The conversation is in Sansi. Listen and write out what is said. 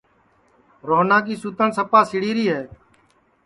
روہنا کی سوتن سپا سِڑی ری ہے